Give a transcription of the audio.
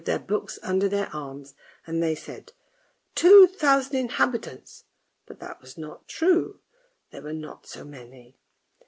1 72 ANDERSEN'S FAIRY TALES books under their arms, and they said " two thousand in habitants," but that was not true, there were not so many.